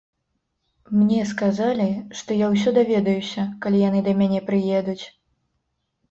Мне сказалі, што я ўсё даведаюся, калі яны да мяне прыедуць.